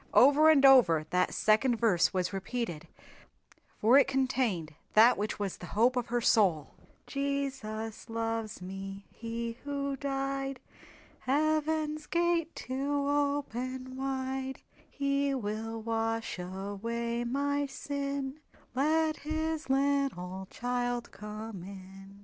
Over and over that second verse was repeated for it contained that which was the Hope of her soul: "Jesus loves me, He who died, Heaven's gate to open wide, He will wash away my sin, Let His little child come in!"